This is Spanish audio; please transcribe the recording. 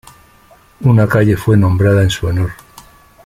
Una calle fue nombrada en su honor.